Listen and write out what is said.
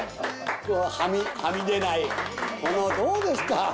どうですか？